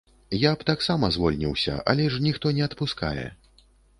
Я б таксама звольніўся, але ж ніхто не адпускае.